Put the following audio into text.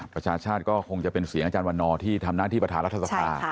ประชาชาติก็คงจะเป็นเสียงอาจารย์วันนอร์ที่ทำหน้าที่ประธานรัฐสภา